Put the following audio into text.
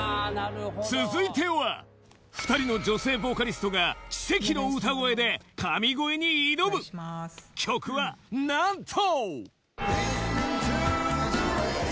続いては２人の女性ボーカリストが奇跡の歌声で神声に挑む曲はなんと！